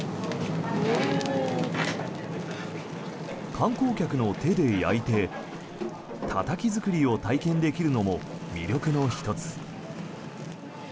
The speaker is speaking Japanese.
観光客の手で焼いてたたき作りを体験できるのも魅力の１つ。